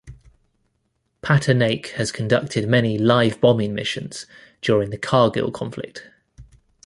Patnaik has conducted many live bombing missions during Kargil conflict.